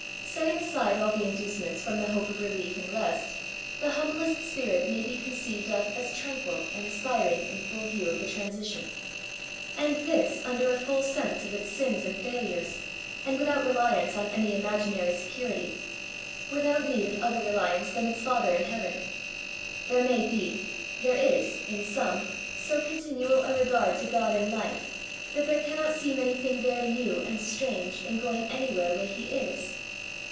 Setting aside all the inducements from the hope of relief 116 ESSAYS. and rest^ the humblest spirit may be conceived of as tranquil and aspiring in full yiew of the transit tion; and this under a full sense of its sins and £edlures, and without reliance on any imaginary security^ — without need of other reliance than its Father in Heaven. There may be — ^there is — in some, so continual a regard to Grod in life, that there cannot seem anything very new and strange in going anywhere where He is.